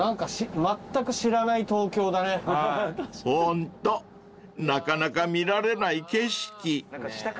［ホントなかなか見られない景色］